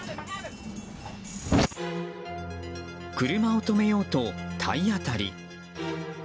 車を止めようと体当たり。